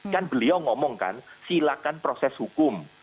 kan beliau ngomong kan silakan proses hukum